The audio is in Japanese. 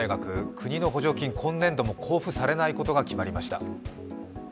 国の補助金、今年度も交付されないことが決まりました。